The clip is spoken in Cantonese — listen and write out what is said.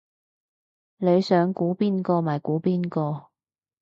你想估邊個咪估邊個